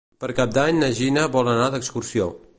Per Cap d'Any na Gina vol anar d'excursió.